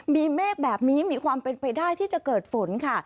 มีเมฆแบบนี้มีความเป็นไปได้ที่จะเกิดฝนค่ะ